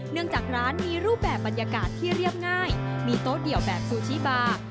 จากร้านมีรูปแบบบรรยากาศที่เรียบง่ายมีโต๊ะเดี่ยวแบบซูชิบา